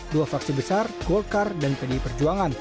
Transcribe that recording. dua fraksi besar golkar dan pdi perjuangan